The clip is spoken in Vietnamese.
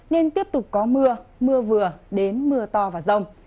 nên tiếp tục có mưa mưa vừa đến mưa to và rông